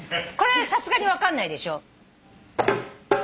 さすがに分かんないでしょ。